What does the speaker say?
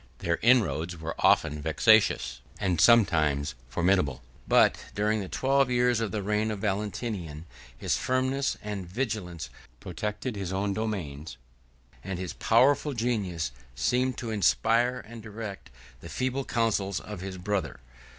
Their inroads were often vexatious, and sometimes formidable; but, during the twelve years of the reign of Valentinian, his firmness and vigilance protected his own dominions; and his powerful genius seemed to inspire and direct the feeble counsels of his brother.